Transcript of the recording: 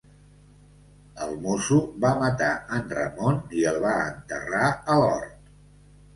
El mosso va matar en Ramon i el va enterrar a l'hort.